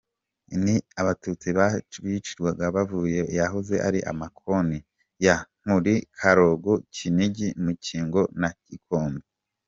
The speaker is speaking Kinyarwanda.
Ni abatusti bahicirwaga bavuye yahoze ari amakomini ya Nkuli, Karago, Kinigi, Mukingo na Kigombe.